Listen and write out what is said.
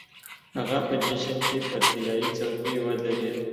هغه په جشن کې پر طلايي څوکۍ ودرېد.